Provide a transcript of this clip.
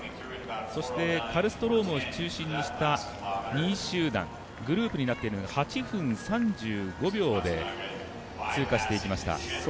そして、カルストロームを中心とした２位集団、グループになっているのが８分３５秒で通過していきました。